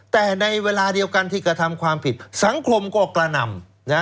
แต่ในเวลาเดียวกันที่กระทำความผิดสังคมก็กระหน่ำ